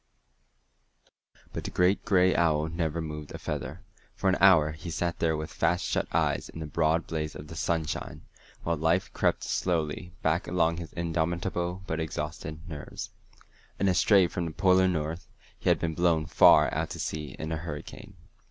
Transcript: But the great gray owl never moved a feather. For an hour he sat there with fast shut eyes in the broad blaze of the sunshine, while life crept slowly back along his indomitable but exhausted nerves. An estray from the Polar North, he had been blown far out to sea in a hurricane.